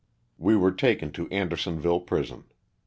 We were taken to Andersonville prison.